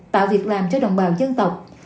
tạo việc làm cho đồng bào dân tộc